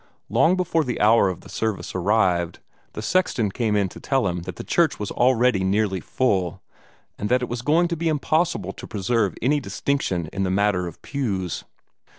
Long before the hour for the service arrived, the sexton came in to tell him that the church was already nearly full, and that it was going to be impossible to present any distinction in the matter of pews.